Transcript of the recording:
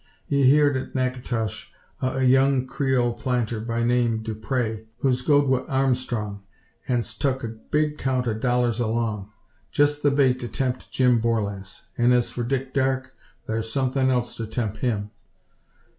Ye heerd in Naketosh o' a young Creole planter, by name Dupray, who's goed wi' Armstrong, an's tuk a big count o' dollars along. Jest the bait to temp Jim Borlasse; an' as for Dick Darke, thar's somethin' else to temp him.